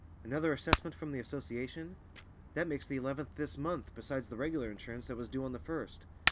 "Another assessment from the Association? That makes the eleventh this month, besides the regular insurance, that was due on the first."